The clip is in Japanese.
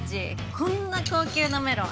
こんな高級なメロン